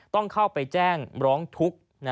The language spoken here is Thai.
ต้องเข้าไปแจ้งร้องทุกข์